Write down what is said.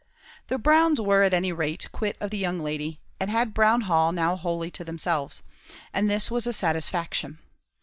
The Browns were at any rate quit of the young lady, and had Brown Hall now wholly to themselves; and this was a satisfaction.